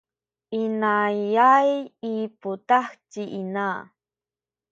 inayay i putah ci ina.